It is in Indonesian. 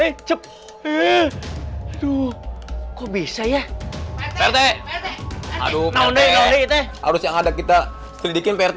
eh cepet eh aduh kok bisa ya pak rt pak rt aduh pak rt harus yang ada kita selidikin pak rt